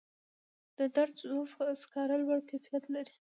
د دره صوف سکاره لوړ کیفیت لري